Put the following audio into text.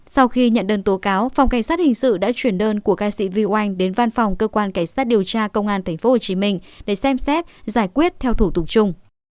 sau khi nhận đơn tố cáo phòng cảnh sát hình sự đã chuyển đơn của ca sĩ vy oanh đến văn phòng cơ quan cảnh sát điều tra công an tp hcm để xem xét giải quyết theo thủ tục chung